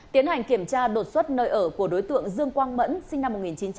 tiến hành kiểm tra đột xuất nơi ở của đối tượng dương quang mẫn sinh năm một nghìn chín trăm tám mươi